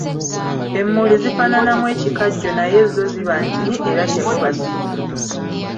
Emmuli zifaananamu ekikajjo naye zo ziba ntini era temuba ssupu.